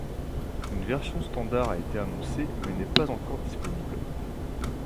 Une version standard a été annoncée, mais n'est pas encore disponible.